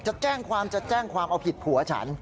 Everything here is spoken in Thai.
จะแจ้งความจะแจ้งความเอาผิดผัวฉัน